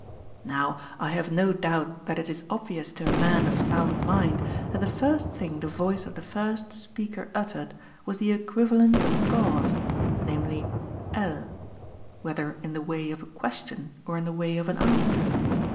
Now I Iiave no doubt that it is obvious to a man of sound mind that the first thing the voice of the first speaker uttcicd was the equivalent of God, namely 7'.V, wliethcr in the [^3oJ way of a question or in the way of an answer.